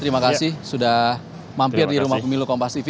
terima kasih sudah mampir di rumah pemilu kompas tv